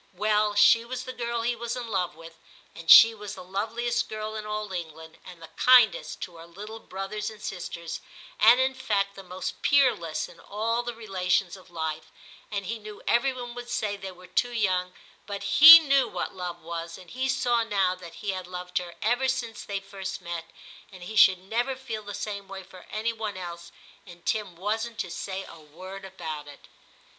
'Well, she was the girl he was in love with, and she was the loveliest girl in all England, and the kindest to her little brothers and sisters, and, in fact, the most peer less in all the relations of life ; and he knew every one would say they were too young, but he knew what love was, and he saw now that he had loved her ever since they first met, and he should never feel the same for any one else, and Tim wasn't to say a word about it.'